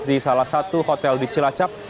di salah satu hotel di cilacap